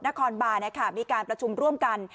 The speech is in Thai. นครบานมีการประชุมร่วมกัน